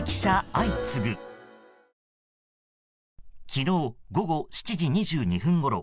昨日午後７時２２分ごろ。